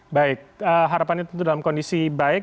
baik harapannya tentu dalam kondisi baik